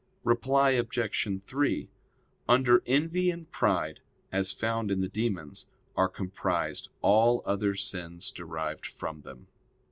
Reply Obj. 3: Under envy and pride, as found in the demons, are comprised all other sins derived from them.